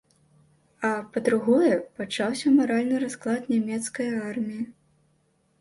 А па-другое, пачаўся маральны расклад нямецкае арміі.